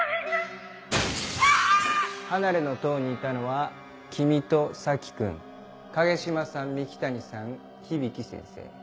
離れの塔にいたのは君と佐木君影島さん三鬼谷さん響先生。